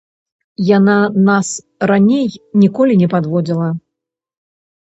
Яна нас раней ніколі не падводзіла.